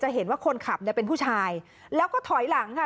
เห็นว่าคนขับเนี่ยเป็นผู้ชายแล้วก็ถอยหลังค่ะ